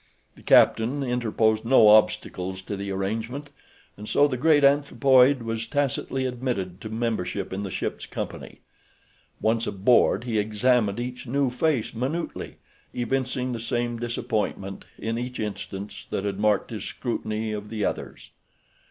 The captain interposed no obstacles to the arrangement, and so the great anthropoid was tacitly admitted to membership in the ship's company. Once aboard he examined each new face minutely, evincing the same disappointment in each instance that had marked his scrutiny of the others.